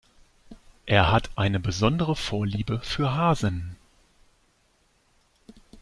Er hat eine besondere Vorliebe für Hasen.